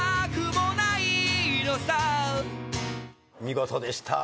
見事でした。